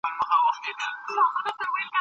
د پاني پت په جګړه کې ډېر خلک ووژل شول.